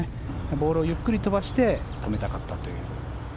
ボールをゆっくり飛ばして止めたかったという。